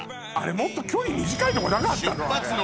もっと距離短いとこなかったの？